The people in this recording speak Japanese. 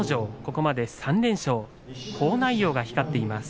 ここまで３連勝です。